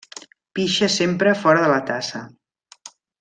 Pixa sempre fora de la tassa.